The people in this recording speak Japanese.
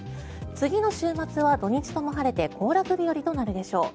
次の週末は土日とも晴れて行楽日和となるでしょう。